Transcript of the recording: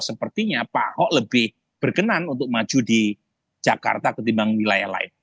sepertinya pak ahok lebih berkenan untuk maju di jakarta ketimbang wilayah lain